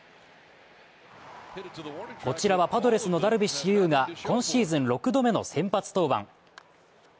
こちらはパドレスのダルビッシュ有が今シーズン６度目の先発登板。